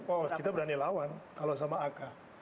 oh kita berani lawan kalau sama ak